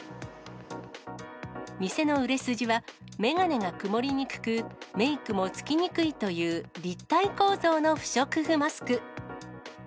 店の売れ筋は、眼鏡が曇りにくく、メークもつきにくいという、立体構造の不織布マスク。